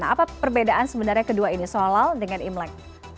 apa perbedaan sebenarnya kedua ini sholal dengan imlek